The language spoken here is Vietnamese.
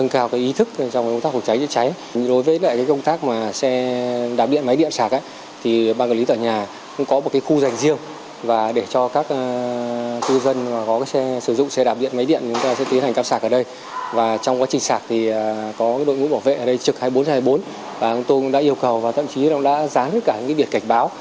có đội ngũ bảo vệ ở đây trực hai mươi bốn hai mươi bốn và ông tôn đã yêu cầu và thậm chí đã dán cả những việc cảnh báo